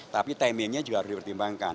tapi timingnya juga harus dipertimbangkan